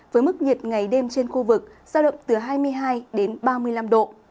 với mức nhiệt ngày đêm trên khu vực sao động từ hai mươi hai ba mươi năm độ